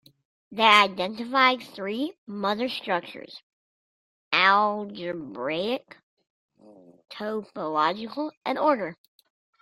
They identified three "mother structures": algebraic, topological, and order.